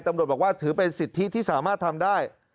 ตำรวจบอกว่าถือเป็นสิทธิที่สามารถทำได้